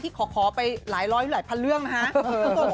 ที่ขอไปหลายพันเรื่องนะฮะ